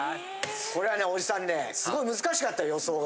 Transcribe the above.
これはねおじさんねすごい難しかったよ予想が。